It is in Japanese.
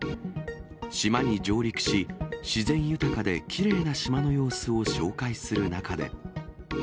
島に上陸し、自然豊かできれいな島の様子を紹介する中で。